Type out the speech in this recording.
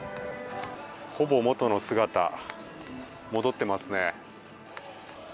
ほぼ元の姿に戻っていますね。